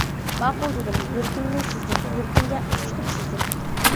ماقۇل دېدىم، يۈرىكىمنى سىزدىم، يۈرىكىڭگە ئوخشىتىپ سىزدىم.